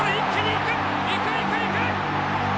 いくいくいく！